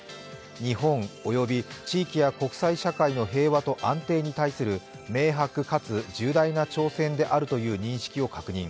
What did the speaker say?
日本及び地域や国際社会の平和と安定に対する明白かつ重大な挑戦であるという認識を確認。